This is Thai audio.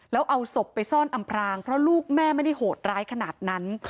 แล้วเอาศพไปซ่อนอำพรางเพราะลูกแม่ไม่ได้โหดร้ายขนาดนั้น